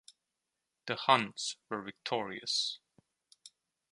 The Huns were victorious.